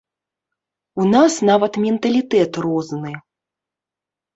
У нас нават менталітэт розны.